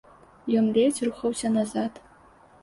Ён ледзь рухаўся назад.